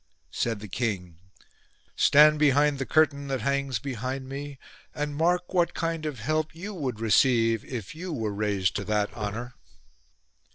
Said the king, " Stand behind the curtain, that hangs behind me, and mark what kind of help you would receive if you were raised to that honour."